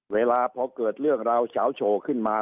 เวลาพอเกิดเรื่องราวเฉาโฉขึ้นมา